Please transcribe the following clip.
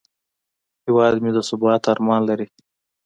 هیواد مې د ثبات ارمان لري